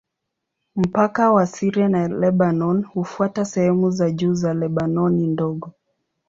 Mpaka wa Syria na Lebanoni hufuata sehemu za juu za Lebanoni Ndogo.